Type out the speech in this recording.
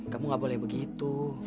kamu gak boleh begitu